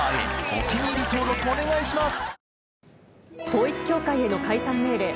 お気に入り登録お願いします！